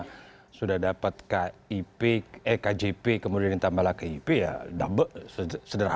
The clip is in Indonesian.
oke bang jimmy anda melihat bahwa memang jika kip kemudian dimasukkan atau didistribusikan atau diberikan kepada warga